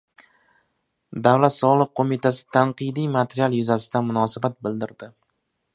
Davlat soliq qo‘mitasi tanqidiy material yuzasidan munosabat bildirdi